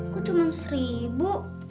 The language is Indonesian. kok cuma seribu